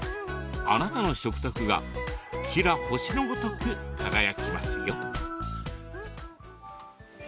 あなたの食卓がきら星のごとく輝きますよ。